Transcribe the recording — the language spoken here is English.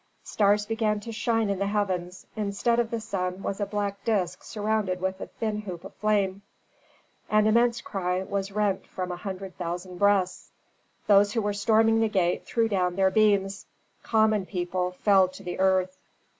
Stars began to shine in the heavens; instead of the sun was a black disk surrounded with a thin hoop of flame. An immense cry was rent from a hundred thousand breasts. Those who were storming the gate threw down their beams; common people fell to the earth.